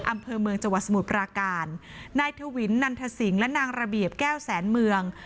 อำเภอเมืองจังหวัดสมุทรปราการนายทวินนันทสิงและนางระเบียบแก้วแสนเมือง